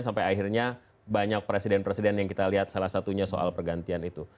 sampai akhirnya banyak presiden presiden yang kita lihat salah satunya soal pergantian itu